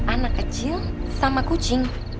anak kecil sama kucing